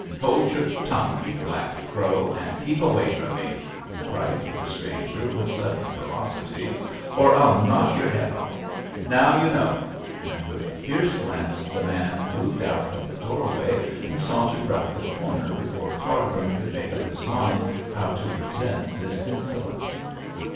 Hold your tongue, you black crow, and keep away from me,' cried the stranger, with sudden ferocity, 'or I'll knock your head off. Now you know,' and with a fierce glance the man moved out of the doorway and sauntered round the corner before Cargrim could make up his mind how to resent this insolence.